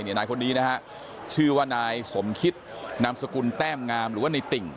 นายคนนี้นะฮะชื่อว่านายสมคิดนามสกุลแต้มงามหรือว่าในติ่ง